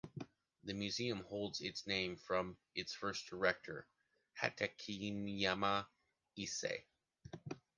The Museum holds its name from its first Director, Hatakeyama Issē.